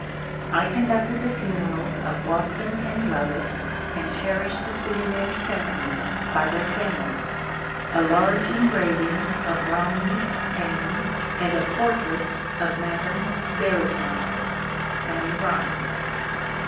I conducted the funerals of Watson and fjovett and cherish the souvenirs sent me by their families, a large engraving of Romney's Paine, and a portrait of Madame Darusmont (Fanny Wright).